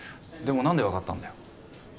何で分かったんだよ